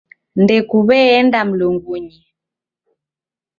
Ndekuw'eenda mlungunyi.